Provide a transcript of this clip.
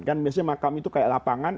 kan biasanya makam itu kayak lapangan